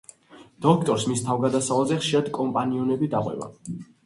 დოქტორს მის თავგადასავლებზე ხშირად კომპანიონები დაყვება.